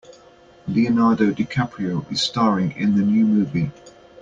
Leonardo DiCaprio is staring in the new movie.